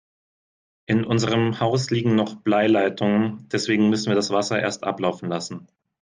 In unserem Haus liegen noch Bleileitungen, deswegen müssen wir das Wasser erst ablaufen lassen.